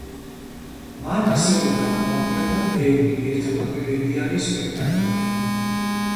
მან ასევე გამოაქვეყნა ბევრი ერთმოქმედებიანი სპექტაკლები.